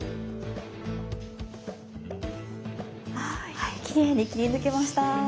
はいきれいに切り抜けました。